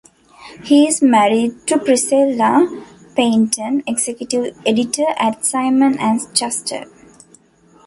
He is married to Priscilla Painton, executive editor at Simon and Schuster.